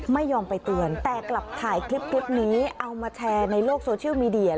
ไม่ยอมไปเตือนแต่กลับถ่ายคลิปนี้เอามาแชร์ในโลกโซเชียลมีเดีย